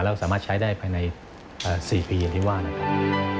แล้วสามารถใช้ได้ภายใน๔ปีอย่างที่ว่านะครับ